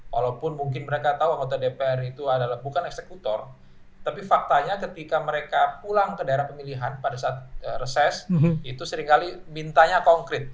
walaupun mungkin mereka tahu anggota dpr itu adalah bukan eksekutor tapi faktanya ketika mereka pulang ke daerah pemilihan pada saat reses itu seringkali mintanya konkret